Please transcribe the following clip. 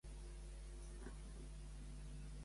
Pertanyia al moviment independentista l'Anna?